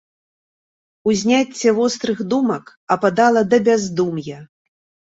Узняцце вострых думак ападала да бяздум'я.